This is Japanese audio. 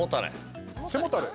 背もたれ。